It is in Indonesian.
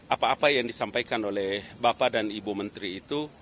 apa apa yang disampaikan oleh bapak dan ibu menteri itu